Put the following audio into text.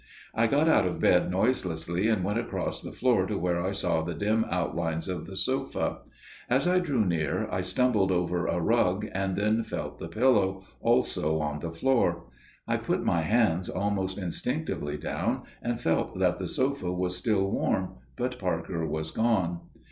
I got out of bed noiselessly, and went across the floor to where I saw the dim outlines of the sofa. As I drew near I stumbled over a rug, and then felt the pillow, also on the floor. I put my hands almost instinctively down, and felt that the sofa was still warm, but Parker was gone.